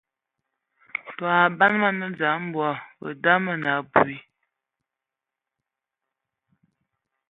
Tə o abam Mə nə abɔd, və da mə nə abui.